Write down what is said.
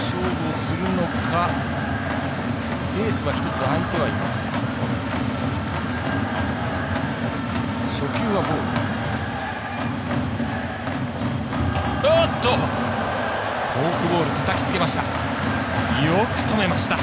フォークボールたたきつけました。